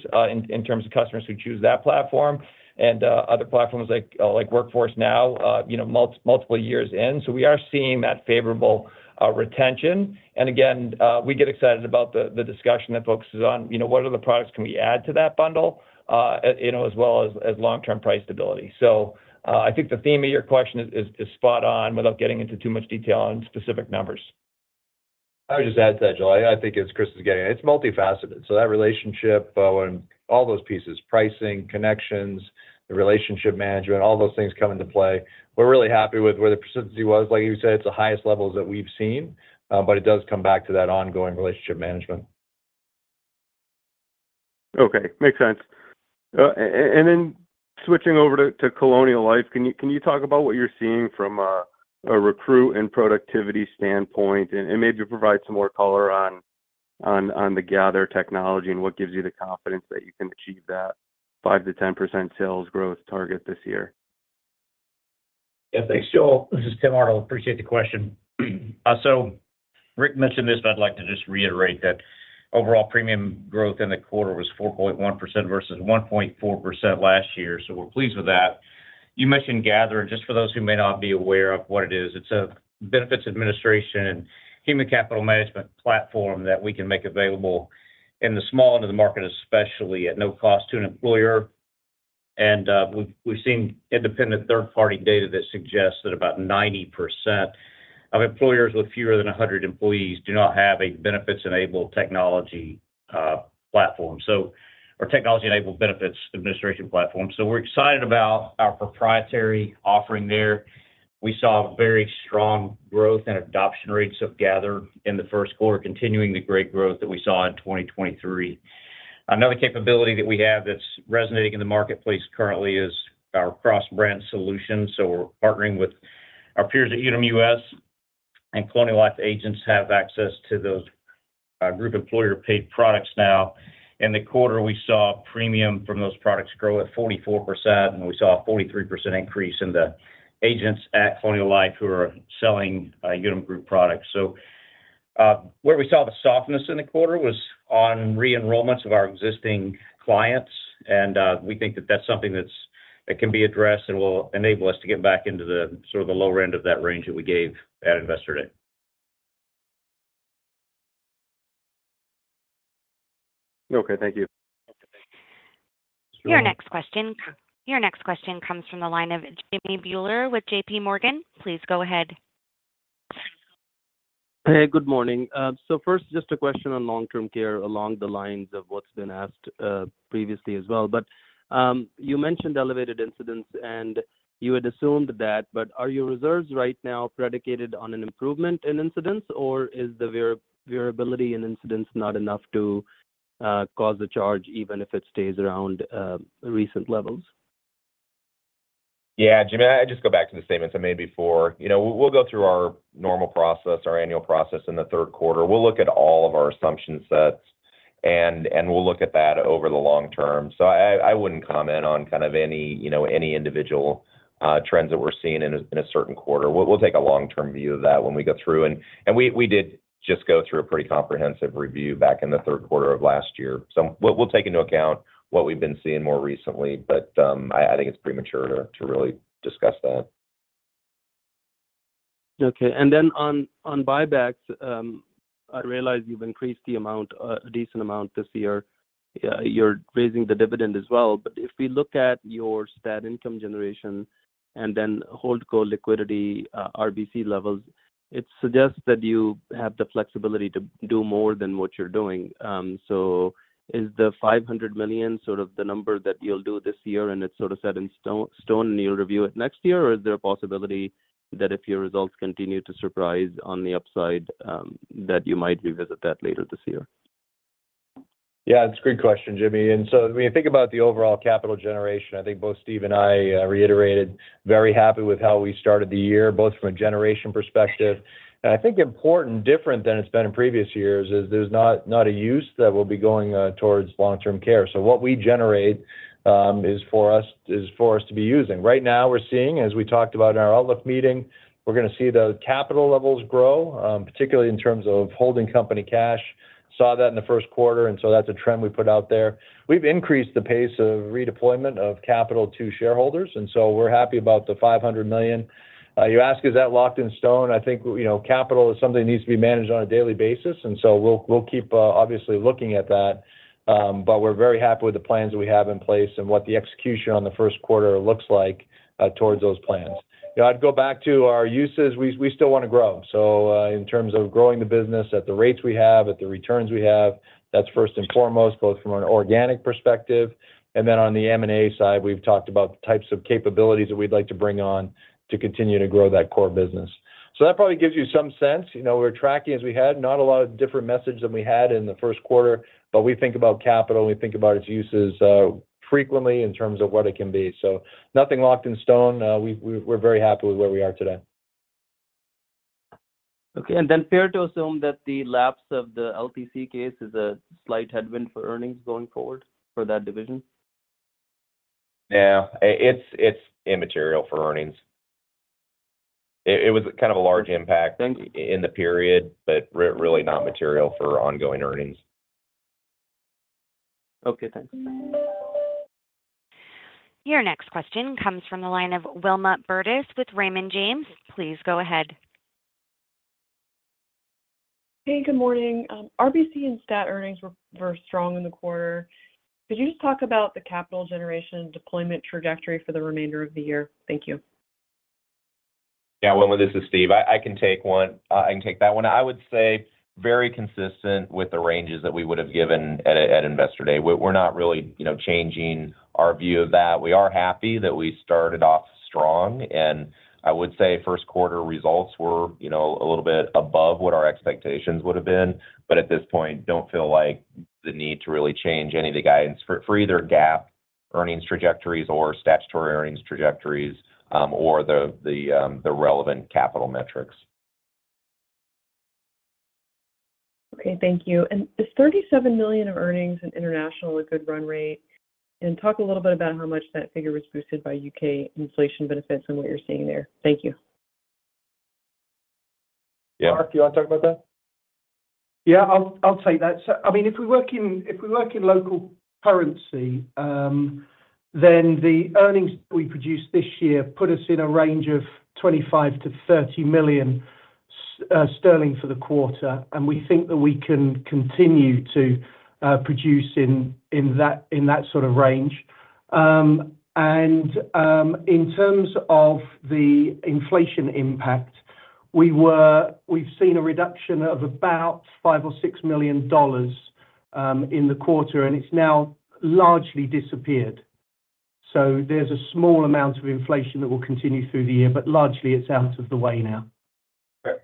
in terms of customers who choose that platform, and, other platforms like, like Workforce Now, you know, multiple years in. So we are seeing that favorable, retention. And again, we get excited about the, the discussion that focuses on, you know, what other products can we add to that bundle, you know, as well as, as long-term price stability. So, I think the theme of your question is spot on, without getting into too much detail on specific numbers. I would just add to that, Joel. I think, as Chris is getting at, it's multifaceted. So that relationship, when all those pieces, pricing, connections, the relationship management, all those things come into play. We're really happy with where the persistency was. Like you said, it's the highest levels that we've seen, but it does come back to that ongoing relationship management. Okay, makes sense. And then switching over to Colonial Life, can you talk about what you're seeing from a recruit and productivity standpoint? And maybe provide some more color on the Gather technology and what gives you the confidence that you can achieve that 5%-10% sales growth target this year? Yeah, thanks, Joel. This is Tim Arnold, appreciate the question. So Rick mentioned this, but I'd like to just reiterate that overall premium growth in the quarter was 4.1% versus 1.4% last year, so we're pleased with that. You mentioned Gather, just for those who may not be aware of what it is, it's a benefits administration and human capital management platform that we can make available in the small end of the market, especially at no cost to an employer. And, we've seen independent third-party data that suggests that about 90% of employers with fewer than 100 employees do not have a benefits-enabled technology platform. So our technology-enabled benefits administration platform. So we're excited about our proprietary offering there. We saw very strong growth and adoption rates of Gather in the first quarter, continuing the great growth that we saw in 2023. Another capability that we have that's resonating in the marketplace currently is our cross-brand solution. So we're partnering with our peers at Unum U.S., and Colonial Life agents have access to those group employer-paid products now. In the quarter, we saw premium from those products grow at 44%, and we saw a 43% increase in the agents at Colonial Life who are selling Unum group products. So, where we saw the softness in the quarter was on re-enrollments of our existing clients, and we think that that's something that can be addressed and will enable us to get back into the sort of the lower end of that range that we gave at Investor Day. Okay, thank you. Okay, thank you. Your next question, your next question comes from the line of Jimmy Bhullar with JPMorgan Chase & Co.. Please go ahead. Hey, good morning. So first, just a question on long-term care, along the lines of what's been asked, previously as well. But, you mentioned elevated incidents, and you had assumed that, but are your reserves right now predicated on an improvement in incidents, or is the variability in incidents not enough to cause the charge, even if it stays around recent levels? Yeah, Jimmy, I'd just go back to the statements I made before. You know, we'll go through our normal process, our annual process in the third quarter. We'll look at all of our assumption sets, and we'll look at that over the long term. So I wouldn't comment on kind of any, you know, any individual trends that we're seeing in a certain quarter. We'll take a long-term view of that when we go through, and we did just go through a pretty comprehensive review back in the third quarter of last year. So we'll take into account what we've been seeing more recently, but I think it's premature to really discuss that. Okay, and then on buybacks, I realize you've increased the amount, a decent amount this year. You're raising the dividend as well. But if we look at your STAT income generation and then HoldCo liquidity, RBC levels, it suggests that you have the flexibility to do more than what you're doing. So is the $500 million sort of the number that you'll do this year, and it's sort of set in stone, and you'll review it next year? Or is there a possibility that if your results continue to surprise on the upside, that you might revisit that later this year? Yeah, it's a great question, Jimmy. So when you think about the overall capital generation, I think both Steve and I reiterated very happy with how we started the year, both from a generation perspective. I think important, different than it's been in previous yeears, is there's not a use that will be going towards long-term care. So what we generate is for us to be using. Right now, we're seeing, as we talked about in our outlook meeting, we're gonna see the capital levels grow, particularly in terms of holding company cash. Saw that in the first quarter, and so that's a trend we put out there. We've increased the pace of redeployment of capital to shareholders, and so we're happy about the $500 million. You ask, is that locked in stone? I think, you know, capital is something that needs to be managed on a daily basis, and so we'll, we'll keep obviously looking at that. But we're very happy with the plans we have in place and what the execution on the first quarter looks like towards those plans. You know, I'd go back to our uses. We, we still wanna grow. So, in terms of growing the business at the rates we have, at the returns we have, that's first and foremost, both from an organic perspective, and then on the M&A side, we've talked about the types of capabilities that we'd like to bring on to continue to grow that core business. So that probably gives you some sense. You know, we're tracking as we had, not a lot of different message than we had in the first quarter, but we think about capital, and we think about its uses, frequently in terms of what it can be. So nothing locked in stone. We're very happy with where we are today. Okay, and then fair to assume that the lapse of the LTC case is a slight headwind for earnings going forward for that division? Yeah, it's immaterial for earnings. It was kind of a large impact in the period, but really not material for ongoing earnings. Okay, thanks. Your next question comes from the line of Wilma Burdis with Raymond James. Please go ahead. Hey, good morning. RBC and STAT earnings were strong in the quarter. Could you just talk about the capital generation deployment trajectory for the remainder of the year? Thank you. Yeah, Wilma, this is Steve. I can take that one. I would say very consistent with the ranges that we would have given at Investor Day. We're not really, you know, changing our view of that. We are happy that we started off strong, and I would say first quarter results were, you know, a little bit above what our expectations would have been, but at this point, don't feel like the need to really change any of the guidance for either GAAP earnings trajectories or statutory earnings trajectories, or the relevant capital metrics. Okay, thank you. Is $37 million of earnings in international a good run rate? Talk a little bit about how much that figure was boosted by U.K. inflation benefits and what you're seeing there. Thank you. Yeah. Mark, do you want to talk about that? Yeah, I'll, I'll take that. So, I mean, if we work in, if we work in local currency, then the earnings we produced this year put us in a range of 25 million-30 million sterling for the quarter, and we think that we can continue to produce in, in that, in that sort of range. And, in terms of the inflation impact, we've seen a reduction of about $5 million or $6 million in the quarter, and it's now largely disappeared. So there's a small amount of inflation that will continue through the year, but largely it's out of the way now.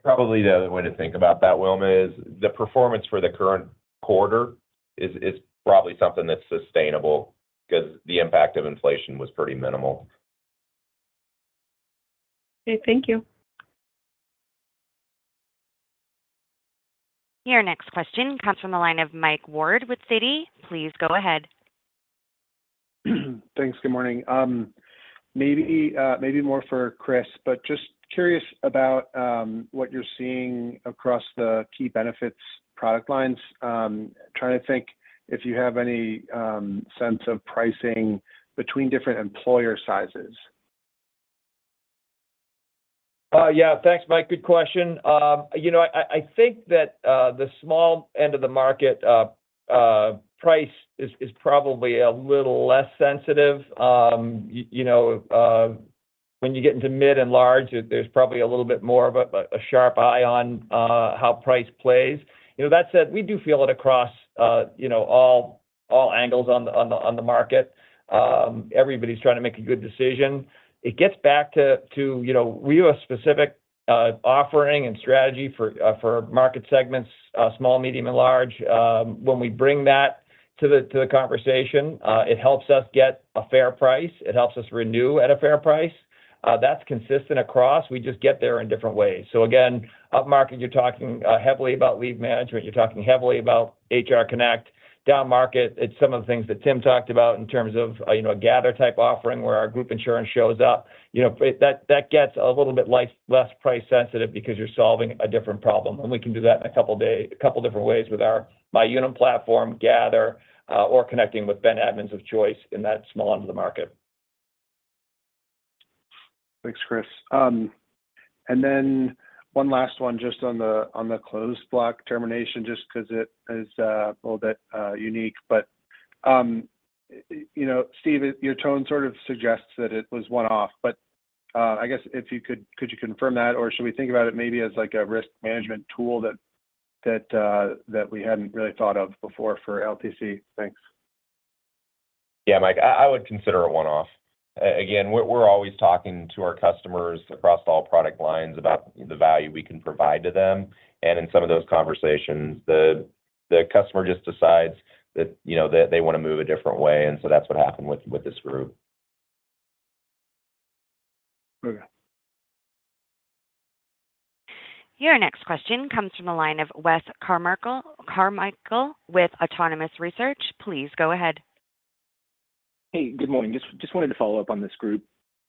Probably the other way to think about that, Wilma, is the performance for the current quarter is probably something that's sustainable because the impact of inflation was pretty minimal. Okay, thank you. Your next question comes from the line of Mike Ward with Citi. Please go ahead. Thanks. Good morning. Maybe more for Chris, but just curious about what you're seeing across the key benefits product lines. Trying to think if you have any sense of pricing between different employer sizes. Yeah. Thanks, Mike. Good question. You know, I think that the small end of the market price is probably a little less sensitive. You know, when you get into mid and large, there's probably a little bit more of a sharp eye on how price plays. You know, that said, we do feel it across, you know, all angles on the market. Everybody's trying to make a good decision. It gets back to you know, we have a specific offering and strategy for market segments small, medium, and large. When we bring that to the conversation, it helps us get a fair price. It helps us renew at a fair price. That's consistent across. We just get there in different ways. So again, upmarket, you're talking heavily about leave management, you're talking heavily about HR Connect. Downmarket, it's some of the things that Tim talked about in terms of, you know, Gather-type offering, where our group insurance shows up. You know, that, that gets a little bit less, less price sensitive because you're solving a different problem, and we can do that in a couple different ways with our MyUnum platform, Gather, or connecting with vendor admins of choice in that small end of the market.... Thanks, Chris. And then one last one just on the Closed Block termination, just because it is a little bit unique. But you know, Steve, your tone sort of suggests that it was one-off, but I guess if you could confirm that, or should we think about it maybe as, like, a risk management tool that we hadn't really thought of before for LTC? Thanks. Yeah, Mike, I would consider it one-off. Again, we're always talking to our customers across all product lines about the value we can provide to them. And in some of those conversations, the customer just decides that, you know, they want to move a different way, and so that's what happened with this group. Okay. Your next question comes from the line of Wes Carmichael with Autonomous Research. Please go ahead. Hey, good morning. Just wanted to follow up on this group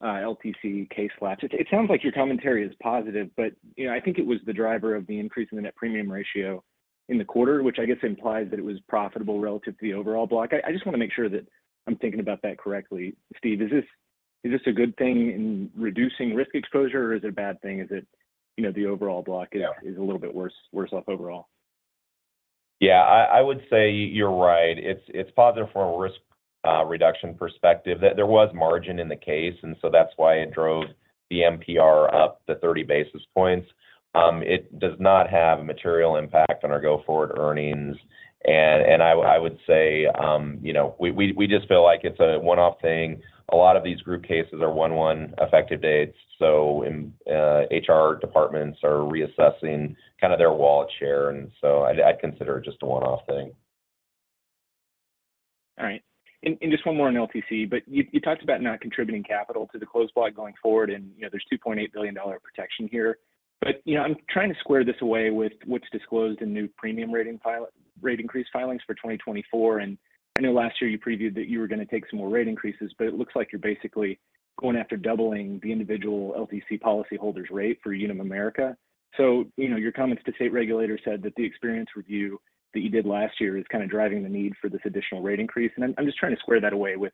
LTC case slash... It sounds like your commentary is positive, but, you know, I think it was the driver of the increase in the net premium ratio in the quarter, which I guess implies that it was profitable relative to the overall block. I just want to make sure that I'm thinking about that correctly. Steve, is this a good thing in reducing risk exposure, or is it a bad thing? Is it, you know, the overall block- Yeah... is a little bit worse, worse off overall? Yeah, I would say you're right. It's positive from a risk reduction perspective that there was margin in the case, and so that's why it drove the MPR up to 30 basis points. It does not have a material impact on our go-forward earnings. I would say, you know, we just feel like it's a one-off thing. A lot of these group cases are one-one effective dates, so HR departments are reassessing kind of their wallet share, and so I'd consider it just a one-off thing. All right. And just one more on LTC, but you talked about not contributing capital to the Closed Block going forward, and, you know, there's $2.8 billion protection here. But, you know, I'm trying to square this away with what's disclosed in new premium rate increase filings for 2024. And I know last year you previewed that you were going to take some more rate increases, but it looks like you're basically going after doubling the individual LTC policyholders' rate for Unum America. So, you know, your comments to state regulators said that the experience review that you did last year is kind of driving the need for this additional rate increase. And I'm just trying to square that away with,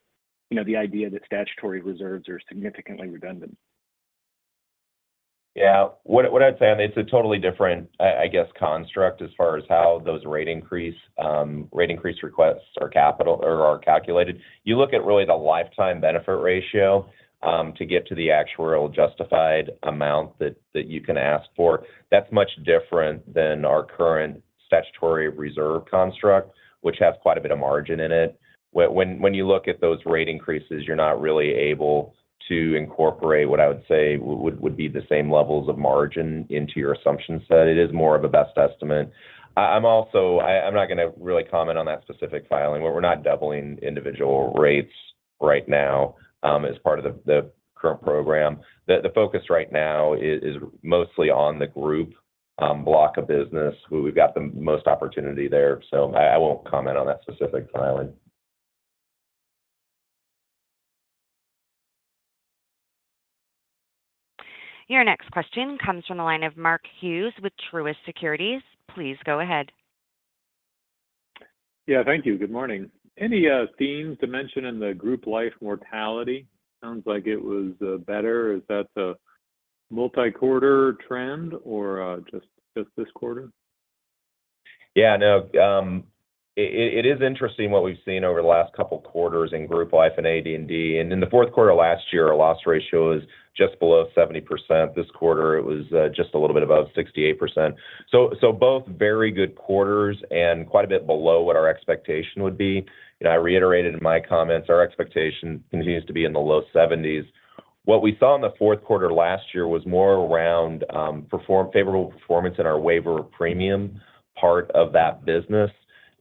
you know, the idea that statutory reserves are significantly redundant. Yeah. What I'd say, and it's a totally different, I guess, construct as far as how those rate increase requests are calculated. You look at really the lifetime benefit ratio to get to the actuarial justified amount that you can ask for. That's much different than our current statutory reserve construct, which has quite a bit of margin in it. When you look at those rate increases, you're not really able to incorporate what I would say would be the same levels of margin into your assumption set. It is more of a best estimate. I'm also... I'm not going to really comment on that specific filing, but we're not doubling individual rates right now as part of the current program. The focus right now is mostly on the group block of business, where we've got the most opportunity there, so I won't comment on that specific filing. Your next question comes from the line of Mark Hughes with Truist Securities. Please go ahead. Yeah. Thank you. Good morning. Any themes to mention in the group life mortality? Sounds like it was better. Is that a multi-quarter trend or just this quarter? Yeah, no, it is interesting what we've seen over the last couple quarters in group life and AD&D. In the fourth quarter last year, our loss ratio was just below 70%. This quarter, it was just a little bit above 68%. So both very good quarters and quite a bit below what our expectation would be. You know, I reiterated in my comments, our expectation continues to be in the low 70s. What we saw in the fourth quarter last year was more around favorable performance in our waiver premium part of that business.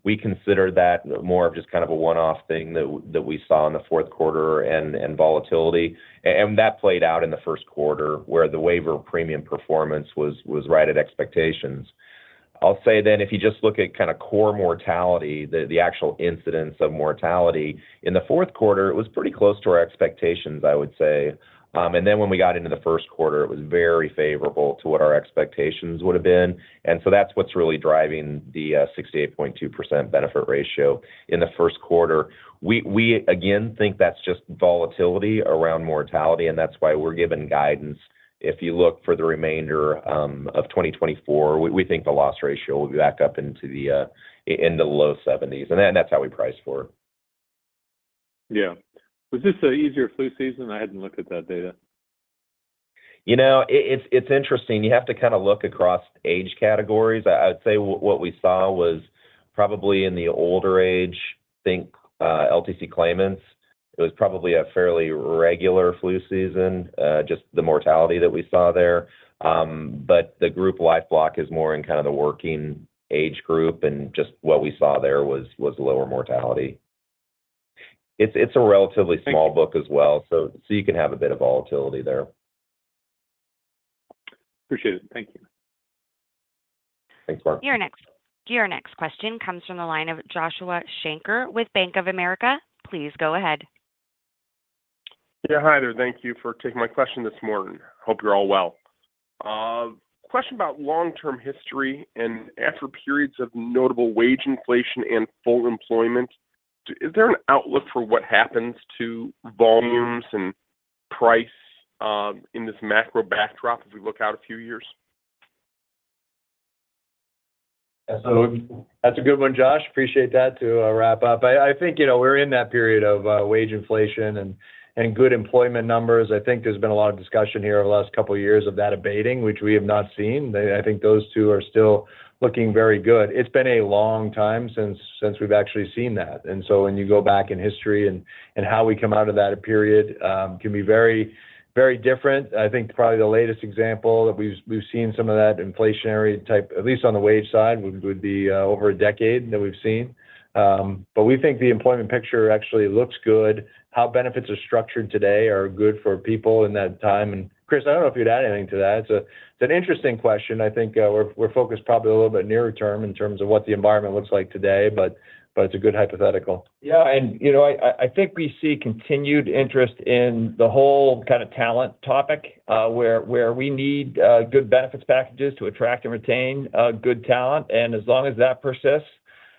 We consider that more of just kind of a one-off thing that we saw in the fourth quarter and volatility. And that played out in the first quarter, where the waiver premium performance was right at expectations. I'll say then, if you just look at kind of core mortality, the actual incidence of mortality, in the fourth quarter, it was pretty close to our expectations, I would say. And then when we got into the first quarter, it was very favorable to what our expectations would have been. And so that's what's really driving the 68.2% benefit ratio in the first quarter. We, we again, think that's just volatility around mortality, and that's why we're giving guidance. If you look for the remainder of 2024, we, we think the loss ratio will be back up into the low 70s, and then that's how we price for it. Yeah. Was this an easier flu season? I hadn't looked at that data. You know, it's interesting. You have to kind of look across age categories. I'd say what we saw was probably in the older age, I think, LTC claimants. It was probably a fairly regular flu season, just the mortality that we saw there. But the group life block is more in kind of the working age group, and just what we saw there was lower mortality. It's a relatively small- Thank you... book as well, so, so you can have a bit of volatility there. Appreciate it. Thank you. Thanks, Mark. Your next question comes from the line of Joshua Shanker with Bank of America. Please go ahead. Yeah, hi there. Thank you for taking my question this morning. Hope you're all well. Question about long-term history, and after periods of notable wage inflation and full employment, is there an outlook for what happens to volumes and price in this macro backdrop as we look out a few years? So that's a good one, Josh. Appreciate that too, wrap up. I, I think, you know, we're in that period of, wage inflation and, and good employment numbers. I think there's been a lot of discussion here over the last couple of years of that abating, which we have not seen. I, I think those two are still looking very good. It's been a long time since, since we've actually seen that, and so when you go back in history, and, and how we come out of that period, can be very, very different. I think probably the latest example that we've, we've seen some of that inflationary type, at least on the wage side, would, would be, over a decade that we've seen. But we think the employment picture actually looks good. How benefits are structured today are good for people in that time. Chris, I don't know if you'd add anything to that. It's an interesting question. I think, we're focused probably a little bit nearer term in terms of what the environment looks like today, but it's a good hypothetical. Yeah, and, you know, I think we see continued interest in the whole kind of talent topic, where we need good benefits packages to attract and retain good talent. And as long as that persists,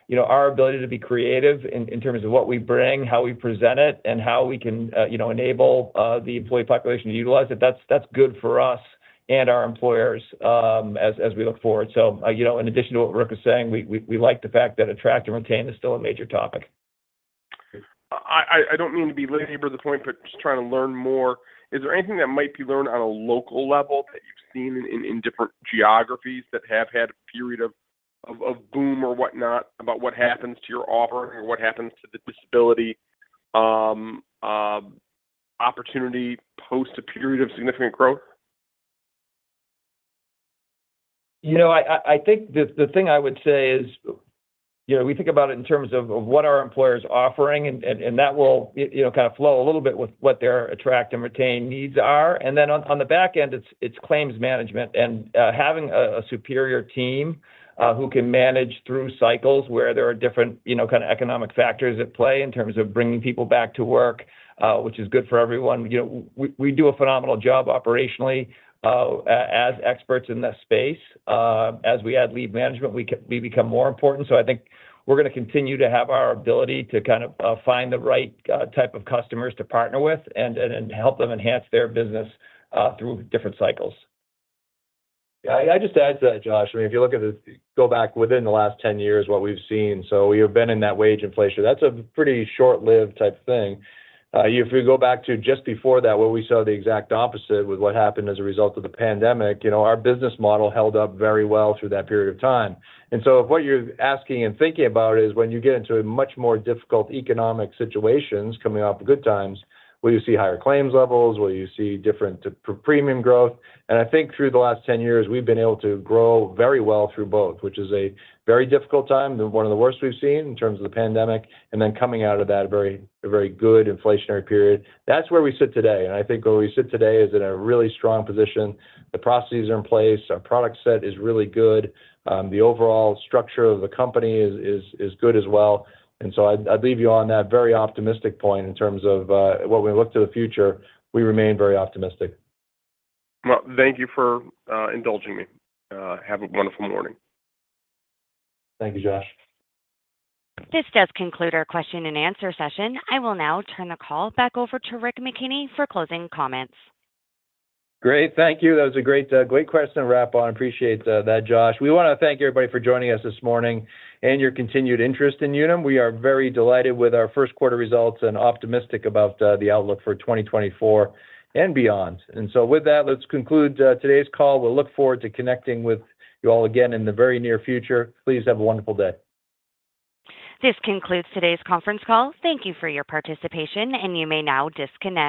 you know, our ability to be creative in terms of what we bring, how we present it, and how we can, you know, enable the employee population to utilize it, that's good for us and our employers, as we look forward. So, you know, in addition to what Rick is saying, we like the fact that attract and retain is still a major topic. I don't mean to belabor the point, but just trying to learn more. Is there anything that might be learned on a local level that you've seen in different geographies that have had a period of boom or whatnot, about what happens to your offer or what happens to the disability opportunity post a period of significant growth? You know, I think the thing I would say is, you know, we think about it in terms of what are employers offering, and that will, you know, kind of flow a little bit with what their attract and retain needs are. And then on the back end, it's claims management and having a superior team who can manage through cycles where there are different, you know, kind of economic factors at play in terms of bringing people back to work, which is good for everyone. You know, we do a phenomenal job operationally as experts in this space. As we add lead management, we become more important. So I think we're gonna continue to have our ability to kind of find the right type of customers to partner with and help them enhance their business through different cycles. I just add to that, Josh. I mean, if you look at this, go back within the last 10 years, what we've seen, so we have been in that wage inflation. That's a pretty short-lived type thing. If we go back to just before that, where we saw the exact opposite with what happened as a result of the pandemic, you know, our business model held up very well through that period of time. And so if what you're asking and thinking about is when you get into a much more difficult economic situations coming off the good times, will you see higher claims levels? Will you see different premium growth? I think through the last 10 years, we've been able to grow very well through both, which is a very difficult time, one of the worst we've seen in terms of the pandemic, and then coming out of that, a very good inflationary period. That's where we sit today, and I think where we sit today is in a really strong position. The processes are in place, our product set is really good, the overall structure of the company is good as well. And so I'd leave you on that very optimistic point in terms of when we look to the future, we remain very optimistic. Well, thank you for indulging me. Have a wonderful morning. Thank you, Josh. This does conclude our question and answer session. I will now turn the call back over to Rick McKenney for closing comments. Great, thank you. That was a great, great question to wrap on. Appreciate that, Josh. We wanna thank everybody for joining us this morning and your continued interest in Unum. We are very delighted with our first quarter results and optimistic about the outlook for 2024 and beyond. And so with that, let's conclude today's call. We'll look forward to connecting with you all again in the very near future. Please have a wonderful day. This concludes today's conference call. Thank you for your participation, and you may now disconnect.